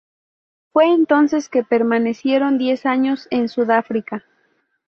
Fue entonces que permanecieron diez años en Sudáfrica.